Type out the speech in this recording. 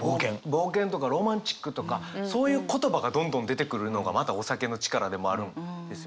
「冒険」とか「ロマンチック」とかそういう言葉がどんどん出てくるのがまたお酒の力でもあるんですよね。